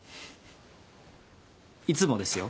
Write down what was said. いつもですよ。